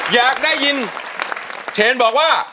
อยากได้ยินเชนบอกว่า